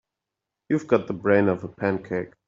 You've got the brain of a pancake.